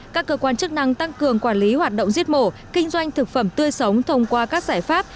các cơ quan chức năng tăng cường quản lý hoạt động giết mổ kinh doanh thực phẩm tươi sống thông qua các giải pháp